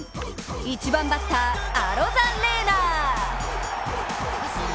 １番バッター、アロザレーナ。